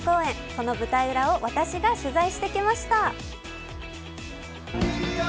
その舞台裏を私が取材してきました。